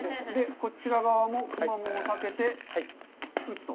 こちら側もクマモンを避けて打つと。